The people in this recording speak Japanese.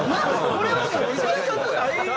これはもう致し方ない。